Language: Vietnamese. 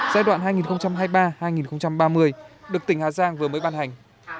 giai đoạn hai nghìn hai mươi ba hai nghìn ba mươi được tỉnh hà giang vừa mới ban hành